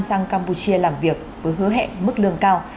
sang campuchia làm việc với hứa hẹn mức lương cao